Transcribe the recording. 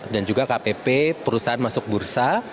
dan juga kpp perusahaan masuk bursa